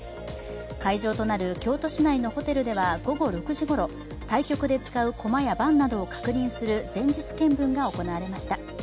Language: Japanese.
会場となる京都市内のホテルでは午後６時ごろ対局で使う駒や盤などを確認する前日検分が行われました。